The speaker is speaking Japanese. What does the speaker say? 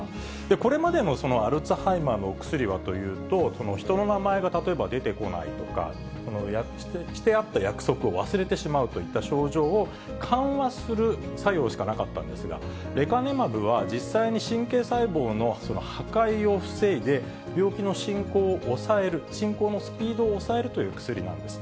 これまでのアルツハイマーのお薬はというと、人の名前が例えば出てこないとか、してあった約束を忘れてしまうといった症状を緩和する作用しかなかったんですが、レカネマブは、実際に神経細胞の破壊を防いで、病気の進行を抑える、進行のスピードを抑えるという薬なんです。